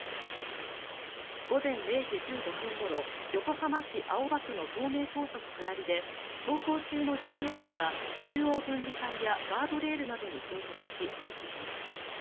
午前０時１５分ごろ横浜市青葉区の東名高速下りで走行中の乗用車が中央分離帯やガードレールなどに衝突し停止しました。